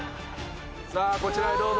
さぁこちらへどうぞ。